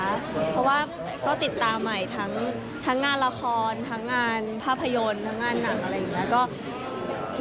เพราะว่าก็ติดตามใหม่ทั้งงานละครทั้งงานภาพยนตร์ทั้งงานหนังอะไรอย่างนี้